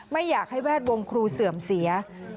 ไม่อยากให้แวดวงครูเสื่อมเสีย